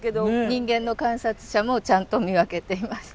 人間の観察者もちゃんと見分けています。